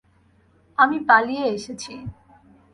আমি পালিয়ে এসেছি।